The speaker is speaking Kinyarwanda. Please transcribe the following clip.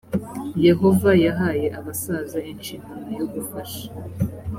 yehova yahaye abasaza inshingano yo gufasha